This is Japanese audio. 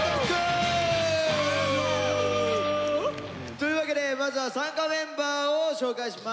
というわけでまずは参加メンバーを紹介します。